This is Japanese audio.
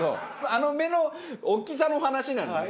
あの目の大きさの話なのね。